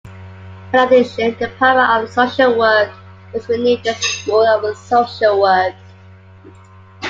In addition, the Department of Social Work was renamed the School of Social Work.